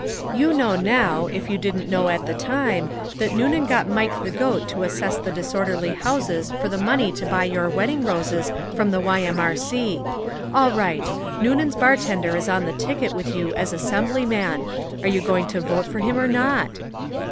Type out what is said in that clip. You know now, if you didn't know at the time, that Noonan got Mike the Goat to assess the disorderly houses for the money to buy your wedding roses from the Y.M.R.C. All right. Noonan's bartender is on the ticket with you as assemblyman. Are you going to vote for him or not?"